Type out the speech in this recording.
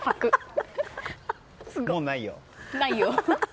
もうないよ。